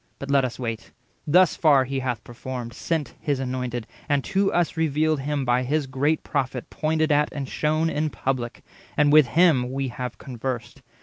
But let us wait; thus far He hath performed— Sent his Anointed, and to us revealed him 50 By his great Prophet pointed at and shown In public, and with him we have conversed.